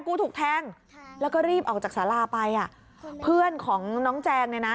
กูถูกแทงแล้วก็รีบออกจากสาราไปอ่ะเพื่อนของน้องแจงเนี่ยนะ